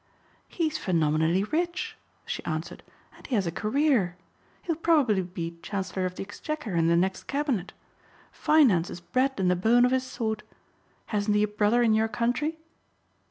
"He's phenomenally rich," she answered, "and he has a career. He'll probably be Chancellor of the Exchequer in the next cabinet. Finance is bred in the bone of his sort. Hasn't he a brother in your country?"